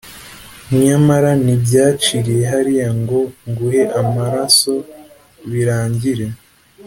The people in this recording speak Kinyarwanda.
nyamara ntibyaciriye hariya ngo nguhe amaraso birangire